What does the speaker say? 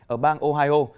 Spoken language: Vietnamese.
ở bang ohio